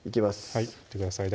はいいってください